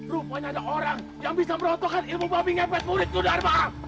rupanya ada orang yang bisa merotokkan ilmu babi ngepes muridku darma